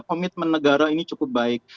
komitmen negara ini cukup baik